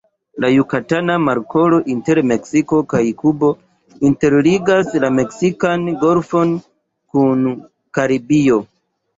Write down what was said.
La Jukatana Markolo inter Meksiko kaj Kubo interligas la Meksikan Golfon kun Karibio.